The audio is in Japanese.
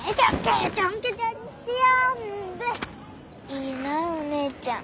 いいなお姉ちゃん。